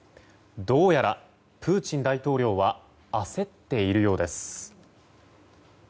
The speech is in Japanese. どうやらプーチン大統領は焦っているようです。